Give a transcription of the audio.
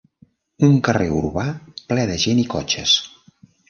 Un carrer urbà ple de gent i cotxes.